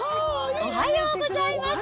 おはようございます。